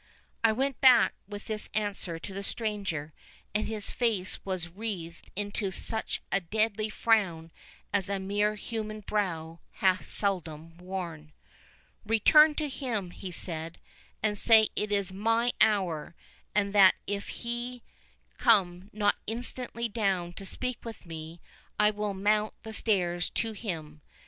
I went back with this answer to the stranger, and his face was writhed into such a deadly frown as a mere human brow hath seldom worn. 'Return to him,' he said, 'and say it is MY HOUR, and that if he come not instantly down to speak with me, I will mount the stairs to him.